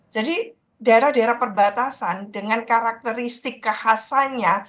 jadi daerah daerah perbatasan dengan karakteristik kekhasanya